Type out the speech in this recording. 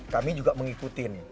kami juga mengikuti